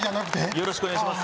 よろしくお願いします